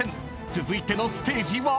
［続いてのステージは］